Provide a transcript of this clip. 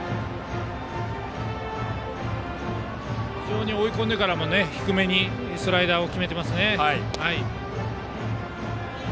非常に追い込んでからも低めにスライダーを決めています。